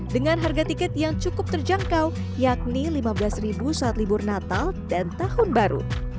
dengan harga tiket yang cukup terjangkau yakni rp lima belas saat libur natal dan tahun baru